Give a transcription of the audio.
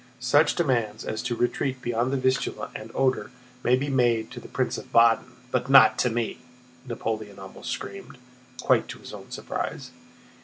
"Such demands as to retreat beyond the Vistula and Oder may be made to a Prince of Baden, but not to me!" Napoleon almost screamed, quite to his own surprise.